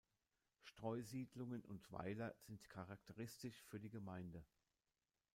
Streusiedlungen und Weiler sind charakteristisch für die Gemeinde.